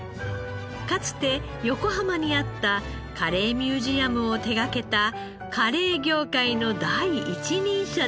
かつて横浜にあったカレーミュージアムを手掛けたカレー業界の第一人者です。